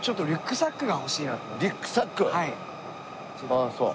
ああそう。